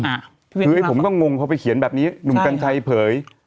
ถืออย่างนี้คือผมก็งงเพราะเขียนแบบนี้หนุ่มกัญชัยเผย